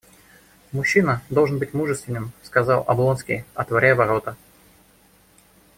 Мужчина должен быть мужествен, — сказал Облонский, отворяя ворота.